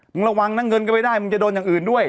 มึงระวังนะเงินก็ไม่ได้มึงจะโดนอย่างอื่นด้วย